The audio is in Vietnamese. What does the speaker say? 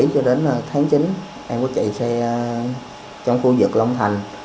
cho đến tháng chín em có chạy xe trong khu vực long thành